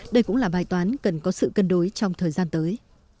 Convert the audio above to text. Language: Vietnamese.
đây cũng là bài toán cần có sự cân đối trong thời gian tới